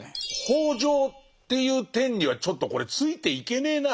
北条っていう天にはちょっとこれついていけねえな。